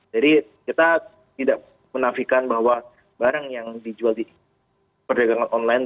jadi kita tidak menafikan bahwa barang yang dijual di perdagangan online